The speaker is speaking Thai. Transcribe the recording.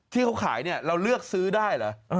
ที่เขาขายเนี่ยเราเลือกซื้อได้เหรอ